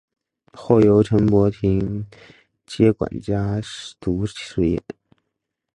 后由陈柏廷接管家族事业。